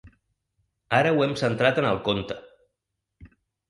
Ara ho hem centrat en el conte.